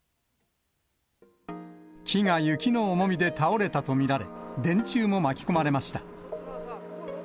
木が雪の重みで倒れたと見られ、電柱も巻き込まれました。